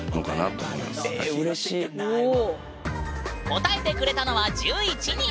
答えてくれたのは１１人！